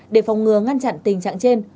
để phòng ngừa ngăn chặn tình trạng trên